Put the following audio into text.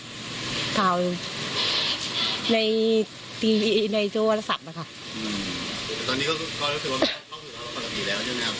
อืมตอนนี้ก็รู้สึกว่ามันเข้าถึงแล้วก็ผลักอีกแล้วใช่ไหมครับ